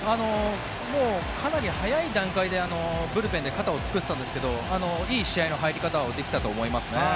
かなり早い段階でブルペンで肩を作ってたんですがいい試合の入り方をできたと思います。